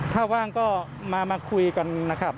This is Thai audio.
ถ้าว่างก็มาคุยกันนะครับ